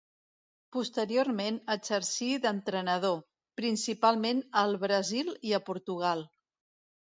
Posteriorment exercí d'entrenador, principalment al Brasil i a Portugal.